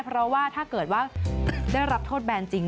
เพราะว่าถ้าเกิดว่าได้รับโทษแบนจริง